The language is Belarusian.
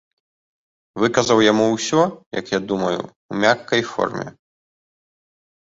Выказаў яму ўсё, як я думаю, у мяккай форме.